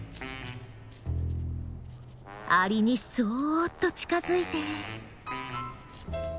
アリにそっと近づいて。